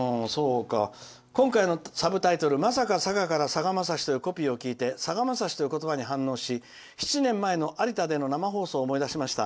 「今回のサブタイトル「まさか佐賀からさがまさし」というコピーを聞いて、反応し７年前の有田での生放送を思い出しました。